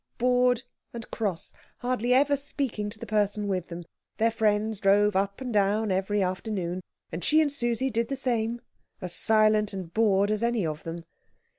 Bored and cross, hardly ever speaking to the person with them, their friends drove up and down every afternoon, and she and Susie did the same, as silent and as bored as any of them.